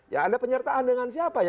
ya ada penyertaan dengan siapa ya